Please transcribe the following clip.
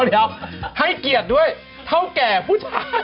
เดี๋ยวให้เกียรติด้วยเท่าแก่ผู้ชาย